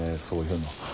そういうの。